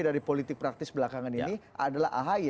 dari politik praktis belakangan ini adalah ahy